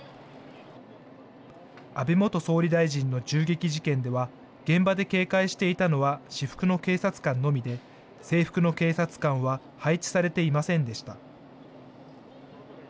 安倍元総理大臣の銃撃事件では、現場で警戒していたのは私服の警察官のみで、制服の警察官は配置されていませんでした。